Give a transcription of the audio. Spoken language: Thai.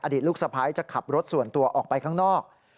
ลูกสะพ้ายจะขับรถส่วนตัวออกไปข้างนอก